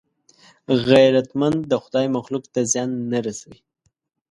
غیرتمند د خدای مخلوق ته زیان نه رسوي